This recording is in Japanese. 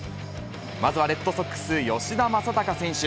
まずはレッドソックス、吉田正尚選手。